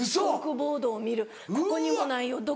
コルクボードを見る「ここにもないよ